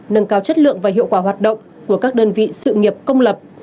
nâng cao chất lượng và hiệu quả hoạt động của các đơn vị sự nghiệp công lập